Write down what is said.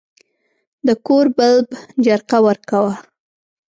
د کور بلب جرقه ورکاوه.